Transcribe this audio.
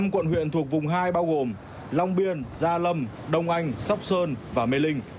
năm quận huyện thuộc vùng hai bao gồm long biên gia lâm đông anh sóc sơn và mê linh